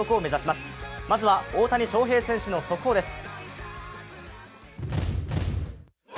まずは大谷翔平選手の速報です。